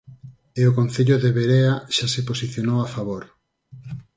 E o Concello de Verea xa se posicionou a favor.